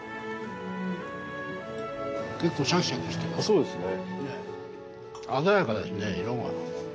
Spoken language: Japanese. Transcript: そうですね。